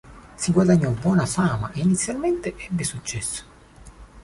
Si guadagnò buona fama e inizialmente ebbe successo.